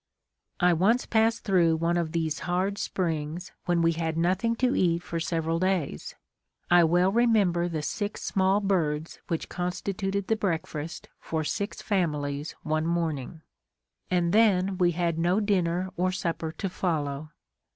I once passed through one of these hard springs when we had nothing to eat for several days. I well remember the six small birds which constituted the breakfast for six families one morning; and then we had no dinner or supper to follow!